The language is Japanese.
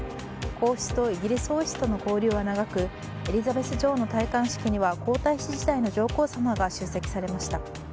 皇室とイギリス王室との交流は長くエリザベス女王の戴冠式には皇太子時代の上皇さまが出席されました。